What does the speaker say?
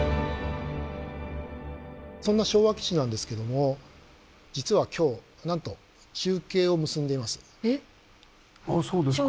そんな昭和基地なんですけども実は今日なんとああそうですか。